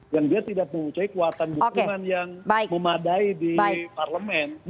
yang dia tidak mempunyai kekuatan dukungan yang memadai di parlemen